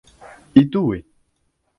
Y tuve.